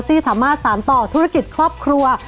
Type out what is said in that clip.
ที่สามารถสารต่อธุรกิจครอบครัว